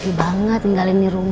udah jangan galak galak doang takut